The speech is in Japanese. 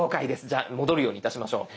じゃあ戻るようにいたしましょう。